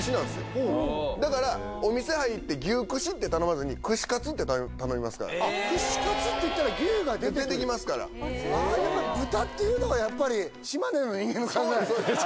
ほおだからお店入って牛串って頼まずに串カツって頼みますからえ串カツって言ったら牛が出てくる出てきますからやっぱり豚っていうのはやっぱり島根の人間の考えそうです